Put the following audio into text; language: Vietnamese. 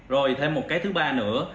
rồi thêm một cái thứ ba nữa